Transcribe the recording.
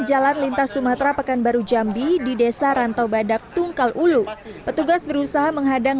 jalan lintas sumatera pekanbaru jambi di desa rantau badak tungkal ulu petugas berusaha menghadang